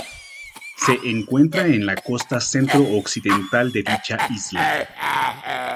Se encuentra en la costa centro occidental de dicha isla.